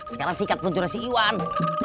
sekarang sikat luncurnya si iwan